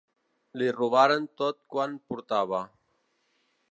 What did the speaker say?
Li robaren tot quant portava.